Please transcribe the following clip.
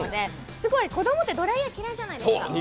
すごい子供ってドライヤー嫌いじゃないですか。